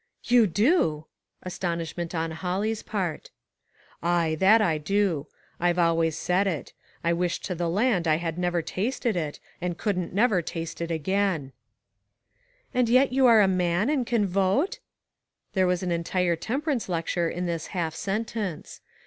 " You do !" astonishment on Holly's part. "Aye, that I do. I've always said it. I wish to the land I had never tasted it, and couldn't never taste it again." 336 ONE COMMONPLACE DAY. " And yet you are a man and can vote ?" There was an entire temperance lecture in this half sentence.